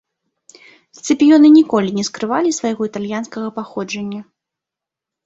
Сцыпіёны ніколі не скрывалі свайго італьянскага паходжання.